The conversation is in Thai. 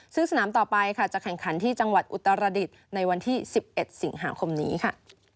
ซึ่งสนามต่อไปค่ะจะแข่งขันที่จังหวัดอุตรดิษฐ์ในวันที่๑๑สิงหาคมนี้ค่ะ